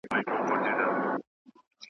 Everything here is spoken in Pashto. د دې پردیو له چیناره سره نه جوړیږي .